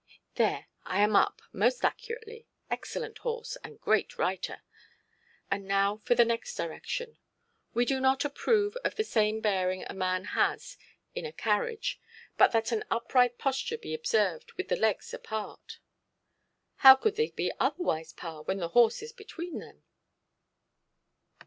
There, I am up, most accurately; excellent horse, and great writer! And now for the next direction: 'We do not approve of the same bearing a man has in a carriage, but that an upright posture be observed, with the legs apart'". "How could they be otherwise, pa, when the horse is between them"?